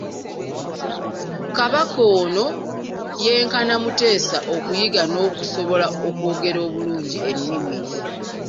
Kabaka ono yenkana Mutesa okuyiga n'okusobola okwogera obulungi ennimi.